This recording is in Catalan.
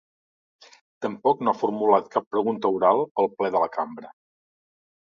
Tampoc no ha formulat cap pregunta oral al ple de la cambra.